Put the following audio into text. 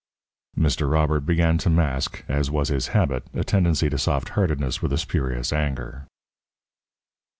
'" Mr. Robert began to mask, as was his habit, a tendency to soft heartedness with a spurious anger.